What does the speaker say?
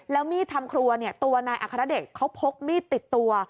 แล้วมีดทำครัวตัวนายอัครเดชเขาพกมีดติดตัว